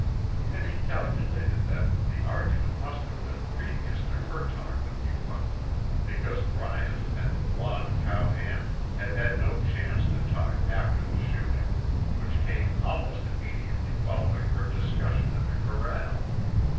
Penny calculated that the argument must have been previous to her talk with Yuma, because Bryant and the blond cowhand had had no chance to talk after the shooting, which came almost immediately following her discussion at the corral.